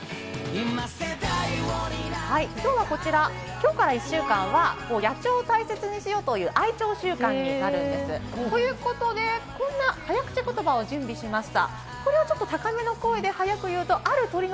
今日から１週間は、野鳥等を大切にしようという愛鳥週間になるんです。ということで、こんな早口言葉を準備しました。